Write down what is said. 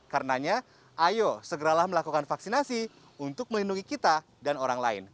karenanya ayo segeralah melakukan vaksinasi untuk melindungi kita dan orang lain